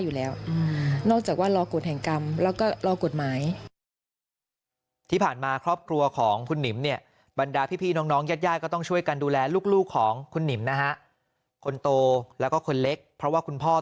อยู่แล้วนอกจากว่ารอกฎแห่งกรรมแล้วก็รอกฎหมายที่ผ่านมา